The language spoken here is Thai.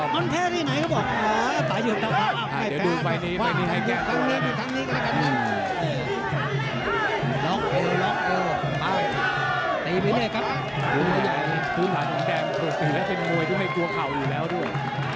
อรุณแหงภูมิแถวน้องแดงสื่อสีแล้วที่เป็นมวยที่ไม่กลัวเขาอยู่แล้วด้วย